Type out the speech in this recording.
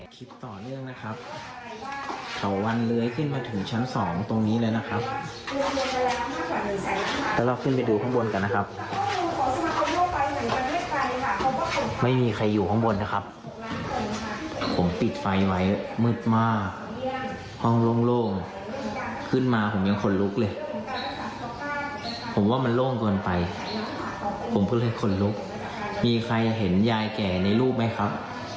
ผมเพิ่งเลยขนลุกมีใครเห็นยายแก่ในรูปไหมครับ